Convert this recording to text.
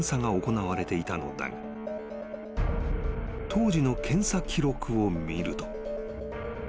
［当時の検査記録を見ると］